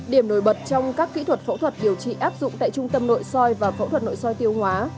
điểm nổi bật trong các kỹ thuật phẫu thuật điều trị áp dụng tại trung tâm nội soi và phẫu thuật nội soi tiêu hóa